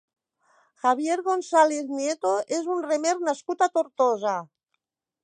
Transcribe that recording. Javier Gonzalez Nieto és un remer nascut a Tortosa.